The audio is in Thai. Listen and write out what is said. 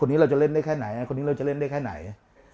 คนเดียวจะเล่นได้แค่ไหน